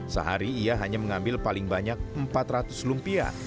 sehari ia hanya mengambil paling banyak empat ratus lumpia